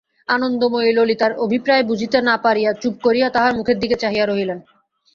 আনন্দময়ী ললিতার অভিপ্রায় বুঝিতে না পারিয়া চুপ করিয়া তাহার মুখের দিকে চাহিয়া রহিলেন।